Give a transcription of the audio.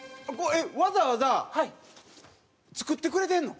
わざわざ作ってくれてるの？